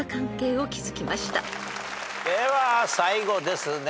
では最後ですね。